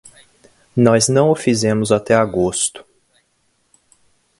Nós não o fizemos até agosto.